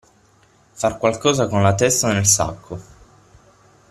Far qualcosa con la testa nel sacco.